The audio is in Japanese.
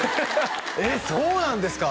えっそうなんですか